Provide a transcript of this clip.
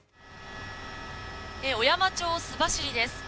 小山町須走です。